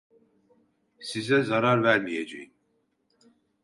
Size zarar vermeyeceğim.